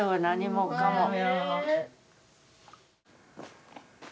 何もかも。